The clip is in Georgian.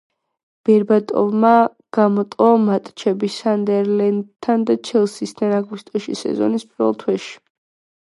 ბერბატოვმა გამოტოვა მატჩები „სანდერლენდთან“ და „ჩელსისთან“ აგვისტოში, სეზონის პირველ თვეში.